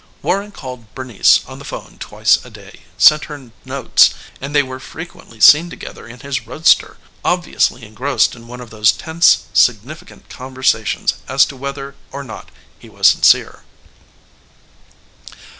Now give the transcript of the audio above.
Warren called Bernice on the 'phone twice a day, sent her notes, and they were frequently seen together in his roadster, obviously engrossed in one of those tense, significant conversations as to whether or not he was sincere.